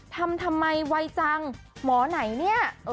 ทำทำไมไวจังหมอไหนเนี่ย